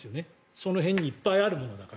その辺にいっぱいあるものだから。